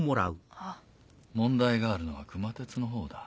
問題があるのは熊徹のほうだ。